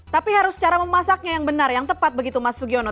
tapi harus cara memasaknya yang benar yang tepat begitu mas sugiono